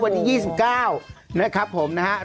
วันนี้๒๙นะครับผมนะครับ